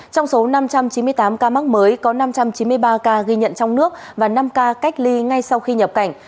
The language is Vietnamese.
trong số năm trăm chín mươi tám ca mắc mới có năm trăm chín mươi ba ca ghi nhận trong nước và năm ca cách ly ngay sau khi nhập cảnh